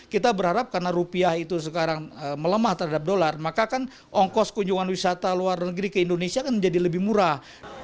kita berharap karena rupiah itu sekarang melemah terhadap dolar maka kan ongkos kunjungan wisata luar negeri ke indonesia kan menjadi lebih murah